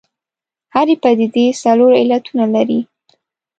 هرې پدیدې څلور علتونه لري.